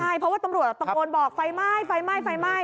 ใช่เพราะว่าตำรวจตะโกนบอกไฟไหม้